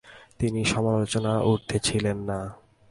তিনি সমালোচনার ঊর্ধ্বে ছিলেন না।